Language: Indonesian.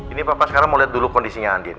ini papa sekarang mau lihat dulu kondisinya andien